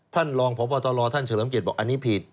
ท่านรองพบตรท่านเฉลิมเกียรติบอกอันนี้ผิด